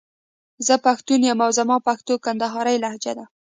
زه پښتون يم او زما پښتو کندهارۍ لهجه ده.